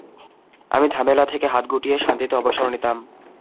আমি ঝামেলা থেকে হাত গুটিয়ে, শান্তিতে অবসর নিতাম।